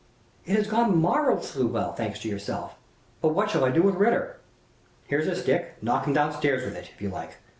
"It has gone marvelously well, thanks to yourself. But what shall I do with Ritter?" "Here's his stick knock him down stairs with it, if you like.